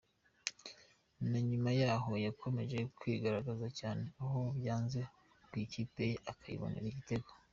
Na nyuma yaho yakomeje kwigaragaza cyane aho byanze ku ikipe ye akayibonera igitego.